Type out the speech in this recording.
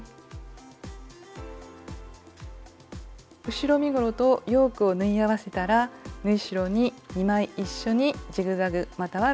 後ろ身ごろとヨークを縫い合わせたら縫い代に２枚一緒にジグザグまたはロックミシンをかけます。